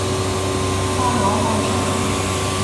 怕我看出，